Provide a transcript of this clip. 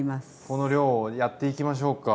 この量をやっていきましょうか。